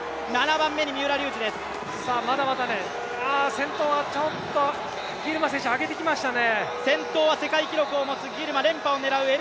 先頭はちょっと、ギルマ選手、上げてきましたね。